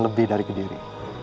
lebih dari ke diri